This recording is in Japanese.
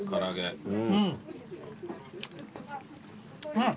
うん。